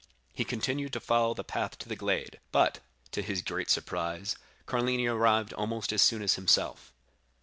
He continued to follow the path to the glade; but, to his great surprise, Carlini arrived almost as soon as himself.